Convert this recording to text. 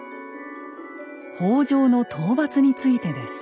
「北条の討伐」についてです。